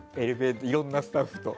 いろんなスタッフと。